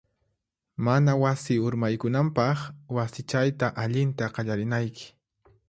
Mana wasi urmaykunanpaq, wasichayta allinta qallarinayki.